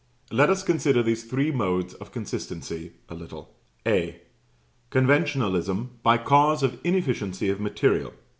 Let us consider these three modes of consistency a little. (A.) Conventionalism by cause of inefficiency of material.